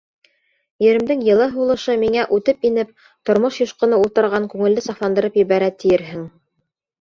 Еремдең йылы һулышы миңә үтеп инеп, тормош юшҡыны ултырған күңелде сафландырып ебәрә тиерһең.